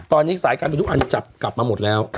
ตอนนี้สายการบินทุกอันจับกลับมาหมดแล้ว